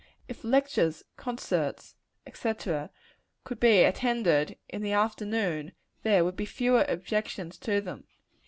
If lectures, concerts, &c., could be attended in the afternoon, there would be fewer objections to them.